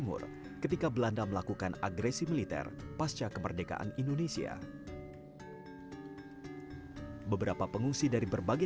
mengungsi ke beberapa wilayah